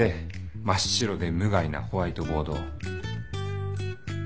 真っ白で無害なホワイトボードを。